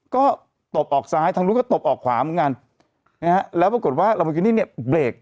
ก็ตบออกซ้ายทางนู้นก็ตบออกขวาเหมือนกันนะฮะแล้วปรากฏว่าลัมโบกินี่เนี่ยเบรก